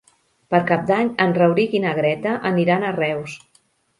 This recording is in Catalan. Per Cap d'Any en Rauric i na Greta aniran a Reus.